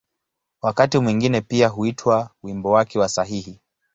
Wakati mwingine pia huitwa ‘’wimbo wake wa sahihi’’.